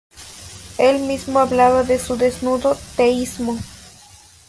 El mismo hablaba de su "desnudo teísmo".